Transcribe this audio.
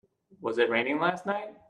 Was it raining last night?